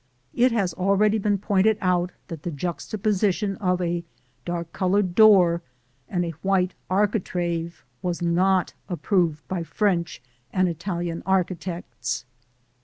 It has already been pointed out that the juxtaposition of a dark colored door and a white architrave was not approved by French and Italian architects.